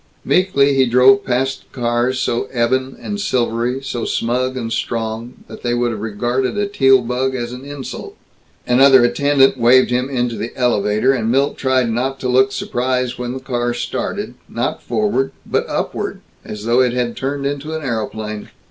Meekly he drove past the cars so ebon and silvery, so smug and strong, that they would have regarded a Teal bug as an insult. Another attendant waved him into the elevator, and Milt tried not to look surprised when the car started, not forward, but upward, as though it had turned into an aeroplane.